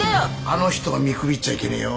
あの人を見くびっちゃいけねえよ。